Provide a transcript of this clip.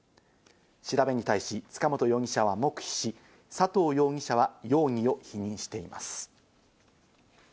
調べに対し、塚本容疑者は黙秘し、佐藤容疑者は容疑を否認しています。